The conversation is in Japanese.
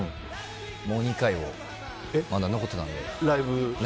もう２回、ライブ残ってたので。